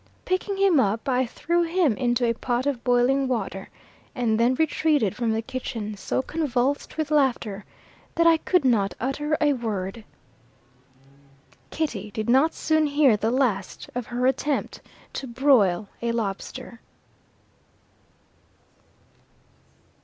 Picking him up, I threw him into a pot of boiling water, and then retreated from the kitchen, so convulsed with laughter that I could not utter a word. Kitty did not soon hear the last of her attempt to broil a lobster.